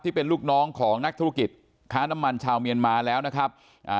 เป็นลูกน้องของนักธุรกิจค้าน้ำมันชาวเมียนมาแล้วนะครับอ่า